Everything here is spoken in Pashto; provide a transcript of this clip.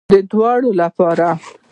دواړو لپاره